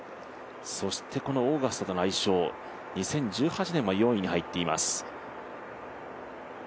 そしてこのオーガスタとの相性、２０１８年は４位に入っています。